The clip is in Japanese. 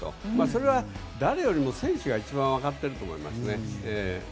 それは誰よりも選手が一番わかっていると思いますね。